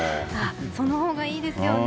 そのほうがいいですよね。